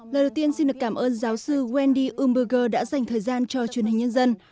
lời đầu tiên xin được cảm ơn giáo sư wendy umburger đã dành thời gian cho truyền hình nhân dân